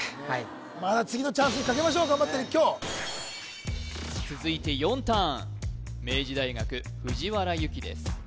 また次のチャンスにかけましょう頑張って立教続いて４ターン明治大学藤原優希です